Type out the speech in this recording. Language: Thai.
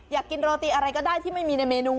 อยากกินโรตีอะไรก็ได้ที่ไม่มีในเมนู